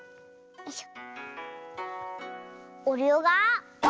よいしょ。